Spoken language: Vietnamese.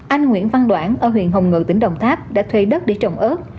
anh nguyễn văn đoạn ở huyện hồng ngự tỉnh đồng tháp đã thuê đất để trồng ớt